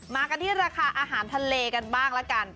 มากันที่ราคาอาหารทะเลกันบ้างละกัน